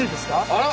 あら？